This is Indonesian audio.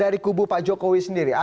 dari kubu pak jokowi sendiri